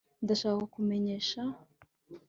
Ndashaka kukumenyesha…